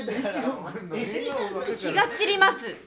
気が散ります！